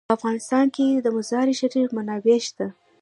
په افغانستان کې د مزارشریف منابع شته.